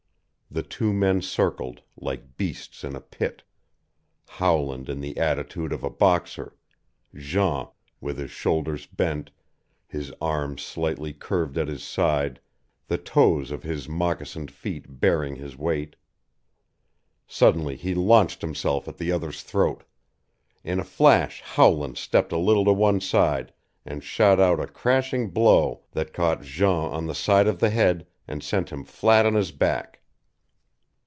The two men circled, like beasts in a pit, Howland in the attitude of a boxer, Jean with his shoulders bent, his arms slightly curved at his side, the toes of his moccasined feet bearing his weight. Suddenly he launched himself at the other's throat. In a flash Howland stepped a little to one side and shot out a crashing blow that caught Jean on the side of the head and sent him flat on his back.